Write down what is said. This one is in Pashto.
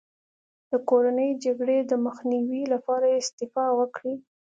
د کورنۍ جګړې د مخنیوي لپاره استعفا وکړي.